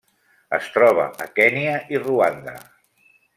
Es troba a Kenya i Ruanda.